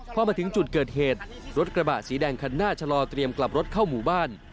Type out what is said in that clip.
พอมาถึงจุดเกิดเหตุรถกระบะสีแดงคันหน้าชะลอเตรียมกลับรถเข้าหมู่บ้าน